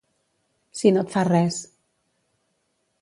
Si no et fa res.